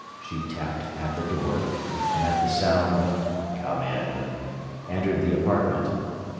She tapped at the door, and at the sound 'Come in,' entered the apartment.